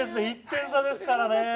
１点差ですから。